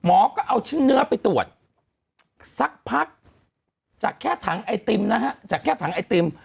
หมอก็เอาชิ้นเนื้อไปตรวจสักพักจากแค่ถังไอติมนะฮะจากแค่ถังไอติม